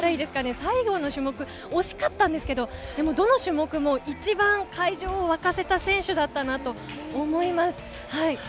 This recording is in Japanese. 最後の種目は惜しかったんですけれど、どの種目も一番会場を沸かせた選手だったと思います。